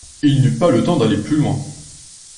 Il n’eut pas le temps d’aller plus loin.